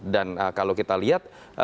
dan kalau kita lihat